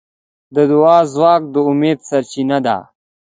د دعا ځواک د امید سرچینه ده.